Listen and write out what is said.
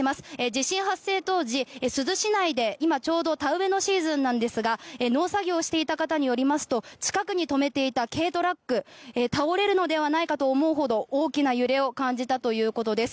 地震発生当時珠洲市内で今、ちょうど田植えのシーズンなんですが農作業をしていた方によりますと近くに止めていた軽トラック倒れるのではないかと思うほど大きな揺れを感じたということです。